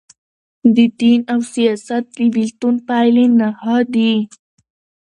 د دین او سیاست د بیلتون پایلي نهه دي.